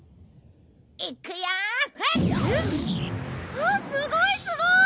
あっすごいすごい！